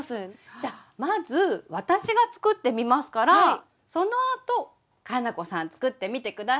じゃあまず私が作ってみますからそのあと佳菜子さん作ってみて下さい。